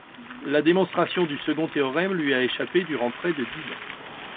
La démonstration du second théorème lui a échappé durant près de dix ans.